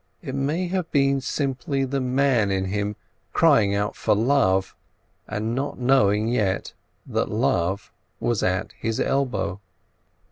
It may have been simply the man in him crying out for Love, and not knowing yet that Love was at his elbow.